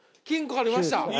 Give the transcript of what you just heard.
金庫ありました！